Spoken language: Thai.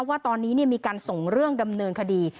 ว่าตอนนี้มีการส่งเรื่องดำเนินคดี